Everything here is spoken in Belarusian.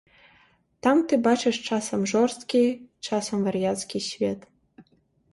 Там ты бачыш часам жорсткі, часам вар'яцкі свет.